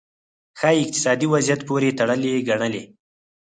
ښايي اقتصادي وضعیت پورې تړلې ګڼلې.